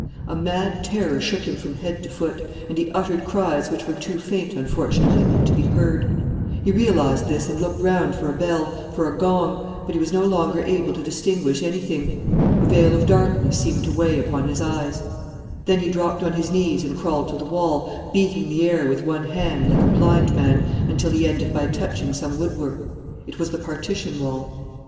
A mad terror shook him from head to foot; and he uttered cries which were too faint, unfortunately, to be heard. He realized this and looked round for a bell, for a gong; but he was no longer able to distinguish anything. A veil of darkness seemed to weigh upon his eyes. Then he dropped on his knees and crawled to the wall, beating the air with one hand, like a blind man, until he ended by touching some woodwork. It was the partition wall.